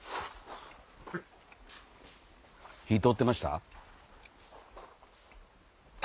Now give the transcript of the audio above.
火通ってました？